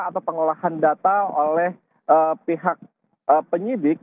atau pengolahan data oleh pihak penyidik